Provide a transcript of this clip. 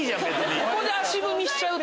ここで足踏みしちゃうと。